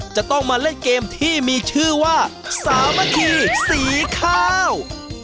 จะต้องมาเล่นเกมที่มีชื่อว่าสามัคคีสีข้าว